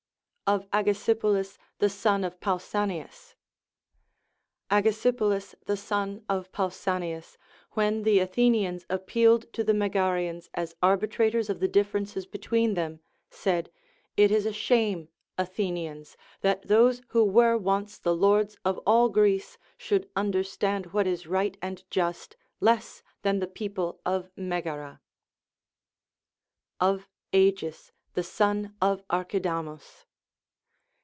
Of Agesipolis the Son of Pausanias. Agesipolis the son of Pausanias, Λvhen the Athenians appealed to the Megarians as arbitrators of the differences between them, said. It is a shame, Athenians, that those who Avere once the lords of all Greece should understand what is right and just less than the people of Megara. Of Agis tJie Son of Arcln'damus.